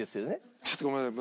ちょっとごめんなさい。